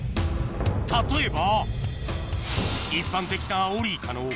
例えば